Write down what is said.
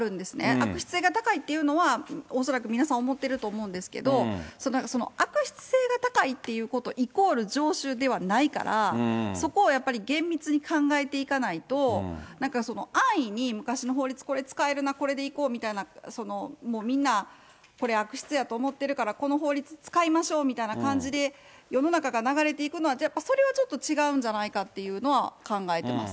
悪質性が高いっていうのは、恐らく皆さん思ってると思うんですけど、その悪質性が高いっていうことイコール常習ではないから、そこをやっぱり厳密に考えていかないと、なんかその安易に、昔の法律、これ使えるな、これでいこうみたいな、もうみんな、これ悪質やと思っているから、この法律使いましょうみたいな感じで世の中が流れていくのは、それはちょっと違うんじゃないかっていうのは考えてます。